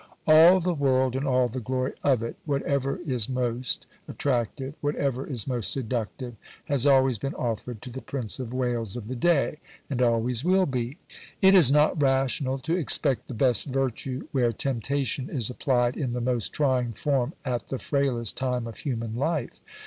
All the world and all the glory of it, whatever is most attractive, whatever is most seductive, has always been offered to the Prince of Wales of the day, and always will be. It is not rational to expect the best virtue where temptation is applied in the most trying form at the frailest time of human life.